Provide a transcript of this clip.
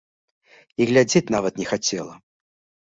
І глядзець нават не хацела.